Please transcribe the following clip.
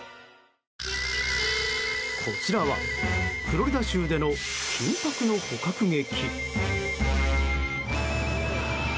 こちらはフロリダ州での緊迫の捕獲劇。